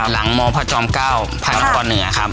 หลังมพจ๙พคเนื้อครับ